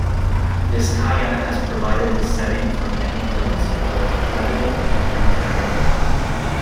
Vizcaya has provided the setting for many films, both credited and uncredited.